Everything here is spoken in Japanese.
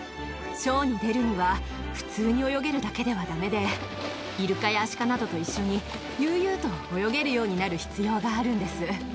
ショーに出るには、普通に泳げるだけではだめで、イルカやアシカなどと一緒に、悠々と泳げるようになる必要があるんです。